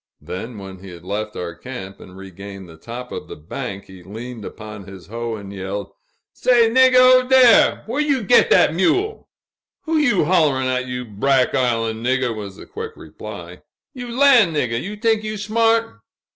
Then, when he had left our camp and regained the top of the bank, he leaned upon his hoe and yelled: "Say, niggah, ober dere! whar you git dat mule?" "Who you holl'rin' at, you brack island niggah?" was the quick reply. "You lan' niggah, you tink you smart!"